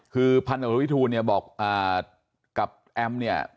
คือพันธุวิทูลเนี่ยบอกกับแอมเนี่ย